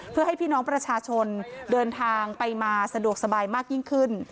เพื่อให้พี่น้องประชาชนเดินทางไปมาสะดวกสบายมากยิ่งขึ้น